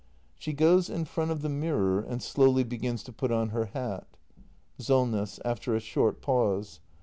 [She goes in front of the mirror and slowly begins to put on her hat. Solness. [After a short pause.